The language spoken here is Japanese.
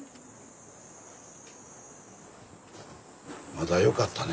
まだよかったね